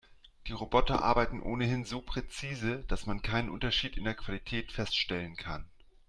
Die Roboter arbeiten ohnehin so präzise, dass man keinen Unterschied in der Qualität feststellen kann.